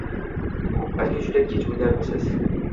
Balki juda kech o'ylarmiz?